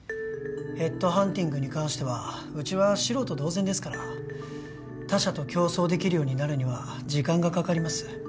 ヘッドハンティングに関してはうちは素人同然ですから他社と競争できるようになるには時間がかかります